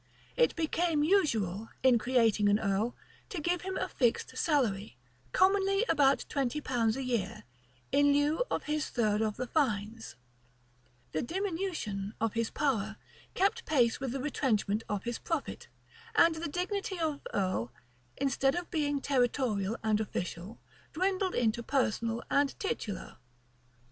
[] It became usual, in creating an earl, to give him a fixed salary, commonly about twenty pounds a year, in lieu of his third of the fines: the diminution of his power kept pace with the retrenchment of his profit: and the dignity of earl, instead of being territorial and official, dwindled into personal and titular.